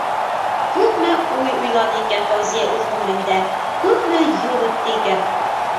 Күпме уй уйланы икән Фәүзиә үҙ ғүмерендә, күпме юл үтте икән?